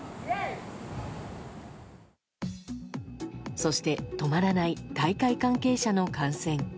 そして、止まらない大会関係者の感染。